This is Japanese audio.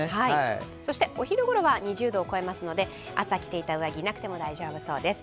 そしてお昼頃は２０度を超えますので、朝着ていた上着、なくても大丈夫そうです。